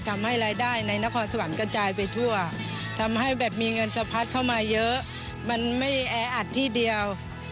ทำให้พ่อค้าแม่ค้าที่ขายของตามสนามแข่งขันก็ต้องมีรายได้เพิ่มตามไปด้วย